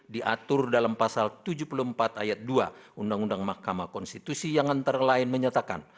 diatur dalam pasal tujuh puluh empat ayat dua undang undang mahkamah konstitusi yang antara lain menyatakan